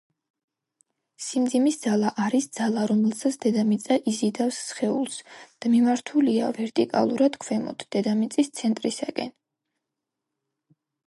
სიმძიმის ძალა არის ძალა, რომელსაც დედამიწა იზიდავს სხეულს და მიმართულია ვერტიკალურად ქვემოთ დედამიწის ცენტრისაკენ